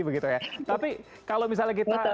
begitu ya tapi kalau misalnya kita